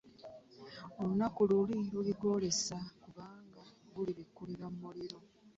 Olunaku luli luligwolesa, kubanga gulibikkulirwa mu muliro.